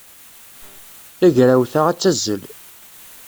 Tagrawt-a ad tazzel.